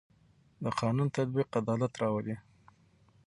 د قانون تطبیق عدالت راولي